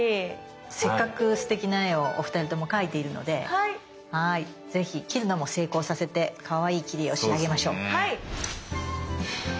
せっかくすてきな絵をお二人とも描いているのでぜひ切るのも成功させてかわいい切り絵を仕上げましょう。